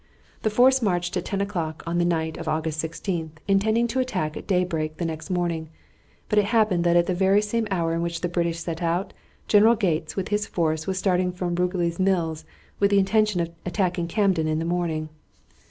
The force marched at ten o'clock on the night of August 16, intending to attack at daybreak the next morning, but it happened that at the very same hour in which the British set out, General Gates, with his force, was starting from Rugeley's Mills with the intention of attacking Camden in the morning.